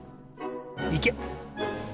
いけ！